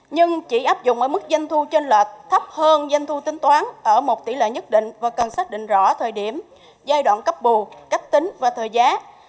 nhưng chỉ áp dụng ở mức doanh thu trên lệch thấp hơn danh thu tính toán ở một tỷ lệ nhất định và cần xác định rõ thời điểm giai đoạn cấp bù cách tính và thời giá